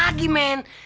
apa lagi men